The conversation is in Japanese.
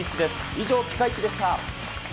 以上、ピカイチでした。